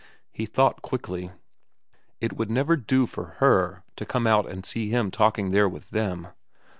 He thought quickly. It would never do for Her to come out and see him talking there with them.